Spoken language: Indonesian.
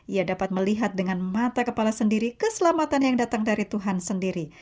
ia dapat melihat dengan mata kepala sendiri keselamatan yang datang dari tuhan sendiri